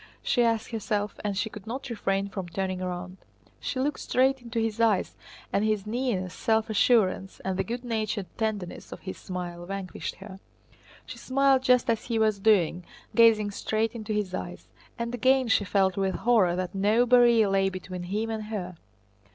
she asked herself, and she could not refrain from turning round. She looked straight into his eyes, and his nearness, self assurance, and the good natured tenderness of his smile vanquished her. She smiled just as he was doing, gazing straight into his eyes. And again she felt with horror that no barrier lay between him and her.